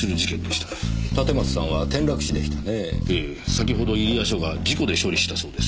先ほど入谷署が事故で処理したそうです。